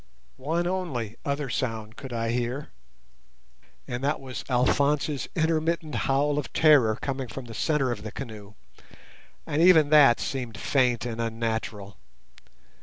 One only other sound could I hear, and that was Alphonse's intermittent howl of terror coming from the centre of the canoe, and even that seemed faint and unnatural.